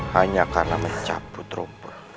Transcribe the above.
hanya karena mencabut rumput